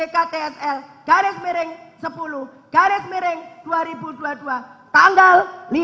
karena telah memenuhi unsur formil dan materi